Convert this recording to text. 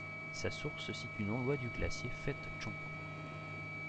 Sa source se situe non loin du glacier Fedtchenko.